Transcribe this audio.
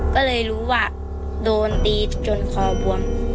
ก็เลยรู้ว่าโดนตีจนคอบวม